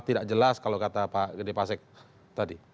tidak jelas kalau kata pak gede pasek tadi